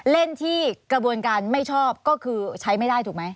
เล่นที่กระบวนการไม่ชอบก็คือใช้ไม่ได้ถูกไหม